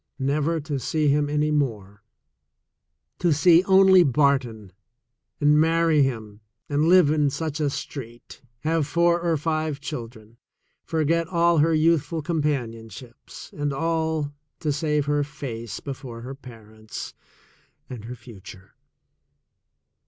— Never to see him any more! — To see only Barton, and marry him and live in such a street, have four or five children, forget all her youthful compan ionships — and all to save her face before her parents, and her future.